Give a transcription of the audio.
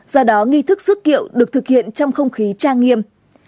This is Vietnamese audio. do đó nghi thức sức kiệu được thực hiện trong không khí trang nghiêm